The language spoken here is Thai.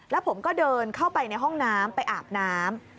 แล้วผมก็เดินเข้าไปในห้องน้ำไปอาบน้ำ